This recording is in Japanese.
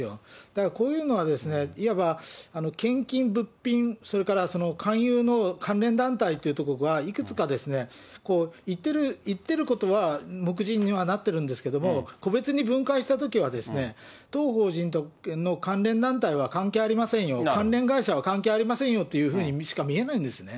だからこういうのは、いわば献金、物品、それから勧誘の関連団体というところがいくつか言ってることは目次にはなってるんですけれども、個別に分解したときは、当法人と関連団体は関係ありませんよ、関連会社は関係ありませんよというふうにしか見えないんですね。